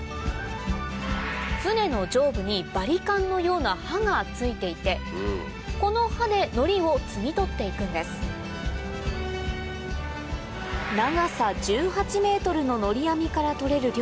船の上部にバリカンのような刃が付いていてこの刃でのりを摘み取って行くんです大体。